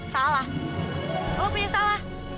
salah lo punya salah